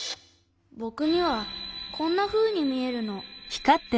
ぼくにはこんなふうにみえるの。